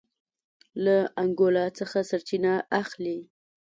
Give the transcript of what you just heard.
له انګولا څخه سرچینه اخلي.